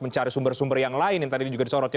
mencari sumber sumber yang lain yang tadi juga disorotin